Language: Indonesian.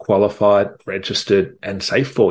jadi jangan berpikir pikir